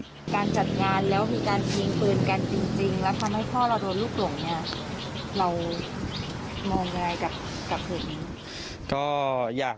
การจัดงานแล้วมีการยิงปืนกันจริงแล้วทำให้พ่อเราโดนลูกหลงเนี่ยเรามองยังไงกับเพลงนี้